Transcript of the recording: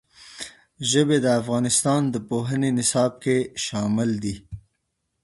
ژبې د افغانستان د پوهنې نصاب کې شامل دي.